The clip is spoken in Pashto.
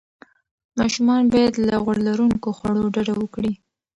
ماشومان باید له غوړ لروونکو خوړو ډډه وکړي.